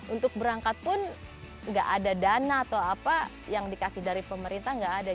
untuk berangkat pun nggak ada dana atau apa yang dikasih dari pemerintah nggak ada